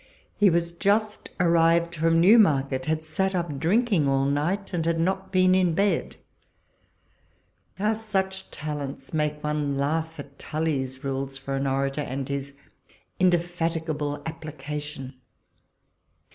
He was just arrived from New market, had sat up drinking all night, and had not been in bed. How such talents make one laugh at TuUy's rules for an orator, and his in defatigable application.